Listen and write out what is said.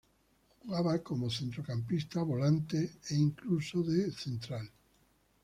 Jugaba como centrocampista, volante e incluso de central.